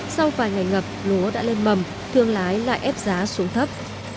sau vài ngày ngập lúa đã lên mầm thương lái lại ép giá xuống thấp